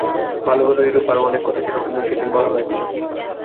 ভালো ভালো এইরূপ আরও অনেক কথা ছিল, কিন্তু সেদিন বলা হয় নাই।